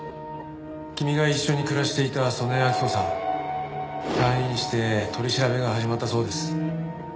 君が一緒に暮らしていた曽根明子さん退院して取り調べが始まったそうです。